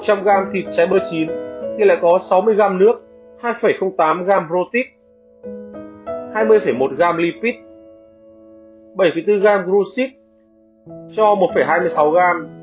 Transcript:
cứ một trăm linh g thịt trái bơ chín thì lại có sáu mươi g nước hai tám g protein hai mươi một g lipid bảy bốn g glucid cho một hai mươi sáu g